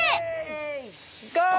ゴー！